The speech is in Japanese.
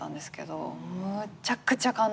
むちゃくちゃ感動して。